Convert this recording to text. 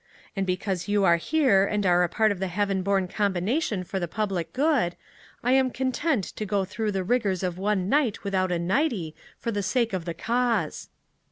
And because you are here and are part of the heaven born combination for the public good, I am content to go through the rigors of one night without a nightie for the sake of the cause!"